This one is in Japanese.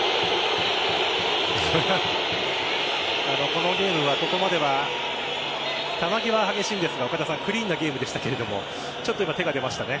このゲームはここまでは球際は激しいんですがクリーンなゲームでしたがちょっと今、手が出ましたね。